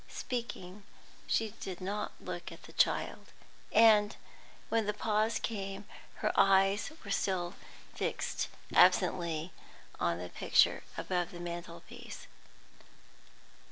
Speaking, she did not look at the child; and, when the pause came, her eyes were still fixed absently on the picture above the mantelpiece.